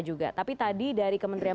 juga tapi tadi dari kementerian